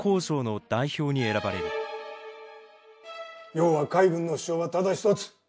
要は海軍の主張はただ一つ。